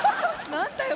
何だよ！